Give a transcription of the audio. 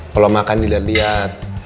kalau makan tidak lihat